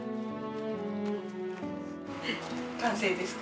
・完成ですか？